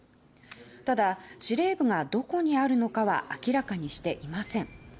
ただ、司令部がどこにあるのかは明らかにしていません。